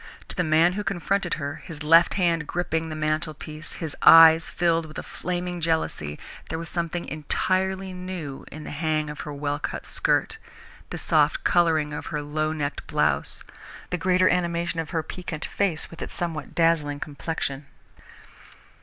To the man who confronted her, his left hand gripping the mantelpiece, his eyes filled with a flaming jealousy, there was something entirely new in the hang of her well cut skirt, the soft colouring of her low necked blouse, the greater animation of her piquant face with its somewhat dazzling complexion.